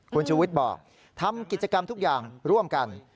คุณชูวิทย์บอกทำกิจกรรมทุกอย่างร่วมกัน